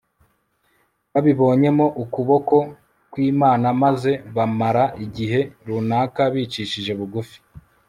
babibonyemo ukuboko kw'imana maze bamara igihe runaka bicishije bugufi